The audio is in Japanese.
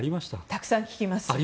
たくさん聞きます。